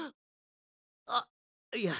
あっいや